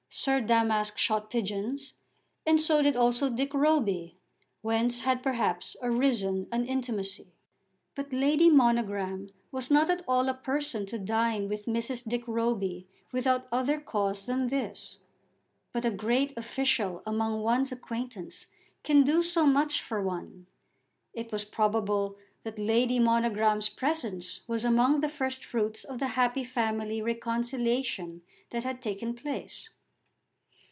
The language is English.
Sir Damask shot pigeons, and so did also Dick Roby, whence had perhaps arisen an intimacy. But Lady Monogram was not at all a person to dine with Mrs. Dick Roby without other cause than this. But a great official among one's acquaintance can do so much for one! It was probable that Lady Monogram's presence was among the first fruits of the happy family reconciliation that had taken place.